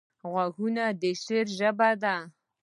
غوږونه د شعر ژبه ده